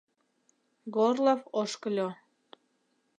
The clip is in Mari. Горлов ошкыльо.